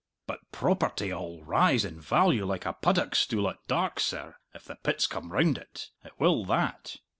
But property 'ull rise in value like a puddock stool at dark, serr, if the pits come round it! It will that.